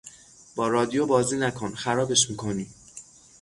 با رادیو بازی نکن; خرابش میکنی.